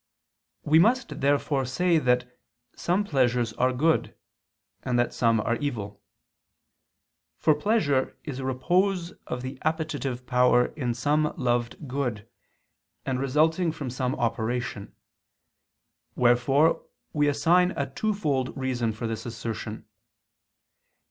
We must therefore say that some pleasures are good, and that some are evil. For pleasure is a repose of the appetitive power in some loved good, and resulting from some operation; wherefore we assign a twofold reason for this assertion.